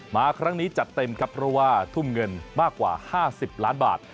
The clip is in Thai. มาครั้งนี้จัดเต็มครับเพราะว่าทุ่มเงินมากกว่า๕๐ล้านบาท